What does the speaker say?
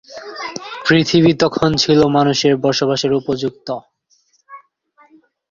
পৃথিবী তখন ছিল মানুষের বসবাসের উপযুক্ত।